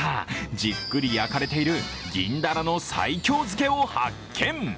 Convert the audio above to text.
じっくり焼かれている銀だらの西京漬けを発見。